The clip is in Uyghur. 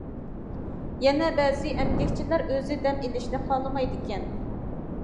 يەنە بەزى ئەمگەكچىلەر ئۆزى دەم ئېلىشنى خالىمايدىكەن.